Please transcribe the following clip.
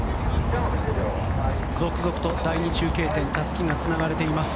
続々と第２中継点たすきがつながっていきます。